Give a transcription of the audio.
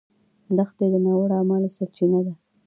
• دښمني د ناوړه اعمالو سرچینه ده.